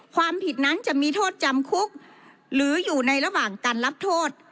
ความผิดนั้นจะมีโทษจำคุกหรืออยู่ในระหว่างการรับโทษ